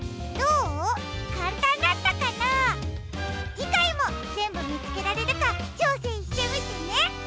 じかいもぜんぶみつけられるかちょうせんしてみてね！